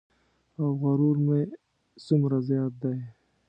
او غرور مې څومره زیات دی.